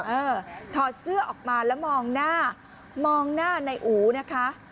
ถอดเสื้อออกมาแล้วมองหน้ามองหน้านายอูนะคะ